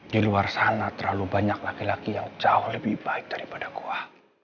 di luar sana terlalu banyak laki laki yang jauh lebih baik daripada goa